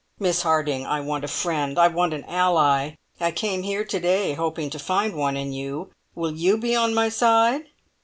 "Miss Harding, I want a friend! I want an ally. I came here to day, hoping to find one in you. Will you be on my side?"